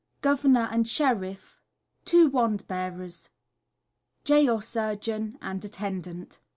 Governor and Sheriff. Wand Bearer. Wand Bearer. Gaol Surgeon and Attendant.